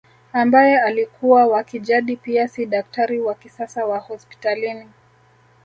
Ambaye alikuwa wa kijadi pia si daktari wa kisasa wa hospitalini